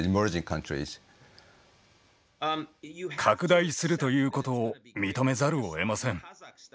拡大するということを認めざるをえません。